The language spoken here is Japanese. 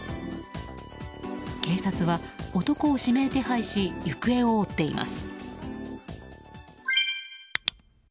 警察は男を指名手配し行方を追っています。